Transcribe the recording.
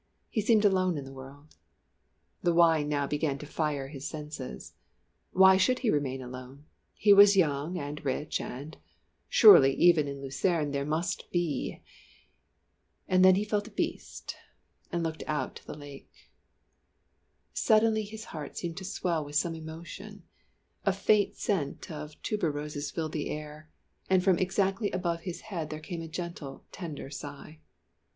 He seemed alone in the world. The wine now began to fire his senses. Why should he remain alone? He was young and rich and surely even in Lucerne there must be . And then he felt a beast, and looked out on to the lake. Suddenly his heart seemed to swell with some emotion, a faint scent of tuberoses filled the air and from exactly above his head there came a gentle, tender sigh.